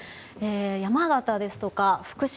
山形ですとか福島